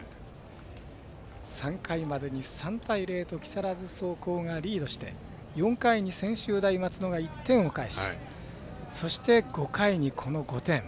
３回までに３対０と木更津総合がリードして、４回の専修大松戸が１点を返しそして、５回に５点。